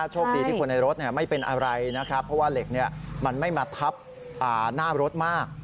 โชคดีที่คนในรถไม่เป็นอะไรนะครับเพราะว่าเหล็กมันไม่มาทับหน้ารถมาก